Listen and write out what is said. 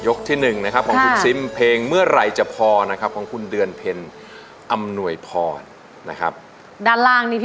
ยกที่๑นะครับท่องคุณซิมเพลงเมื่อไรจะพอนะครับท่องคุณเดือนเพลั้มอำนวยพอนะครับ